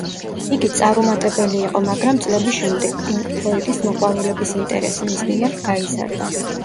იგი წარუმატებელი იყო, მაგრამ წლების შემდეგ პინკ ფლოიდის მოყვარულების ინტერესი მის მიმართ გაიზარდა.